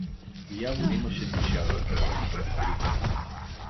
Яворов имаше душа затворена, прикрита.